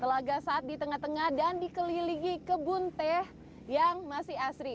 telaga saat di tengah tengah dan dikelilingi kebun teh yang masih asri